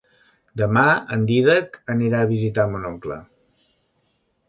Demà en Dídac anirà a visitar mon oncle.